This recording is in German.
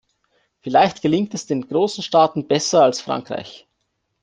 Vielleicht gelingt es anderen großen Staaten besser als Frankreich.